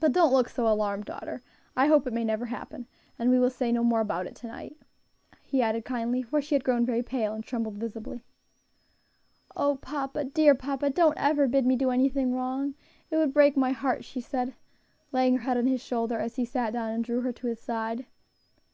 But don't look so alarmed, daughter; I hope it may never happen; and we will say no more about it to night," he added, kindly, for she had grown very pale and trembled visibly. "O papa, dear papa! don't ever bid me do anything wrong; it would break my heart," she said, laying her head on his shoulder as he sat down and drew her to his side.